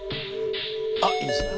あっいいですね。